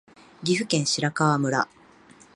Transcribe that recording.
岐阜県白川村